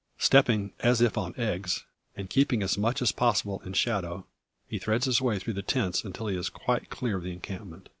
Stepping, as if on eggs, and keeping as much as possible in shadow, he threads his way through the tents until he is quite clear of the encampment.